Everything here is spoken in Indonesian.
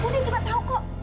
budi juga tau kok